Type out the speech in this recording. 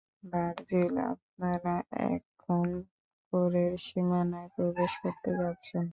Virgil, আপনারা এখন কোরের সীমানায় প্রবেশ করতে যাচ্ছেন।